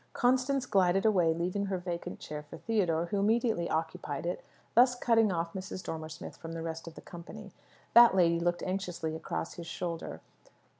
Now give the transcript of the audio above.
Constance glided away, leaving her vacant chair for Theodore, who immediately occupied it, thus cutting off Mrs. Dormer Smith from the rest of the company. That lady looked anxiously across his shoulder.